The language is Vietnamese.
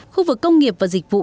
khu vực công nghiệp và dịch vụ